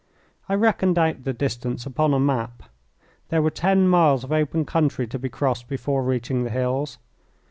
I reckoned out the distance upon a map. There were ten miles of open country to be crossed before reaching the hills.